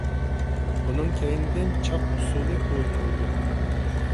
بۇنىڭ كەينىدىن چاق ئۇسسۇلى ئوينىلىدۇ.